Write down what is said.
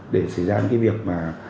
để xảy ra những cái việc mà